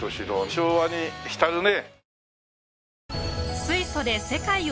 昭和に浸るね。